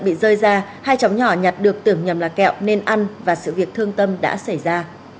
bị rơi ra hai cháu nhỏ nhặt được tưởng nhầm là kẹo nên ăn và sự việc thương tâm đã xảy ra